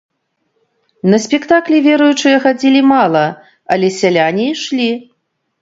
На спектаклі веруючыя хадзілі мала, але сяляне ішлі.